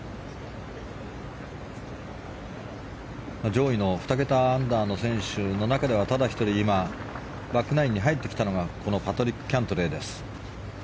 上位の２桁アンダーの選手の中ではただ１人、今バックナインに入ってきたのがこのパトリック・キャントレーです。